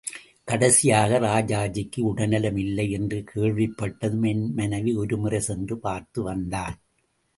கடைசியாக ராஜாஜிக்கு உடல் நலம் இல்லை என்று கேள்விப்பட்டதும் என் மனைவி ஒருமுறை சென்று பார்த்து வந்தாள்.